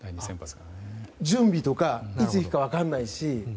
準備とかいつ行くか分からないし。